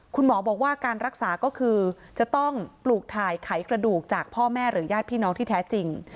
คุณหมอบอกว่าการรักษาก็คือจะต้องปลูกถ่ายไขกระดูกจากพ่อแม่หรือญาติพี่น้องที่แท้จริง